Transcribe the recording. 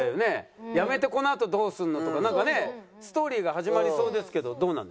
「辞めてこのあとどうするの？」とかストーリーが始まりそうですけどどうなんですか？